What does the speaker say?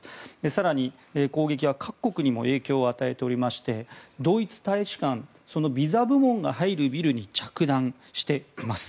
更に、攻撃は各国にも影響を与えておりましてドイツ大使館のビザ部門が入るビルに着弾しています。